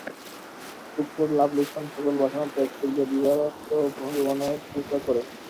সুখ-দুঃখের, লাভ-লোকসানের সকল বাসনা ত্যাগ করিয়া দিবারাত্র ভগবানের পূজা কর।